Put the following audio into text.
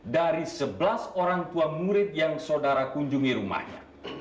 dari sebelas orang tua murid yang saudara kunjungi rumahnya